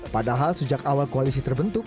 padahal sejak awal koalisi terbentuk